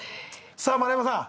さぁ丸山さん